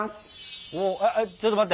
ちょっと待って。